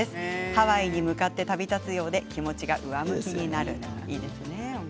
ハワイに向かって旅立つことで気持ちが上向きになります。